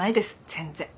全然。